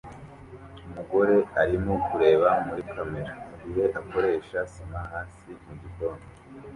Umugore arimo kureba muri kamera mugihe akoresha sima hasi mugikoni